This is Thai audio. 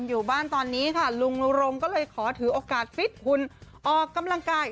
อยู่บ้านตอนนี้ค่ะลุงรงก็เลยขอถือโอกาสฟิตหุ่นออกกำลังกาย